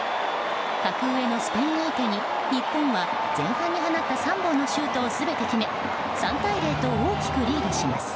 格上のスペイン相手に、日本は前半に放った３本のシュートを全て決め３対０と大きくリードします。